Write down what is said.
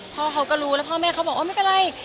พ่อเขาก็รู้แล้วพ่อแม่เขาบอกเออไม่เป็นไร